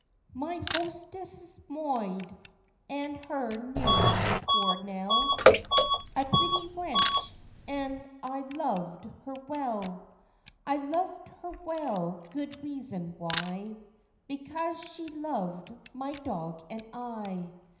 Mine hostess's moid, (and her neaum 'twour Nell,) A pretty wench, and I lov'd her well; I lov'd her well, good reauzon why, Because zshe loved my dog and I.